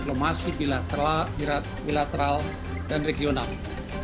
terima kasih banyakravita terima kasih mesteri